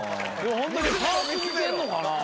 ホントにパーツ似てんのかな。